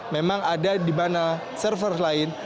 memang ada di mana server lain